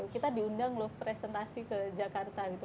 kita diundang loh presentasi ke jakarta gitu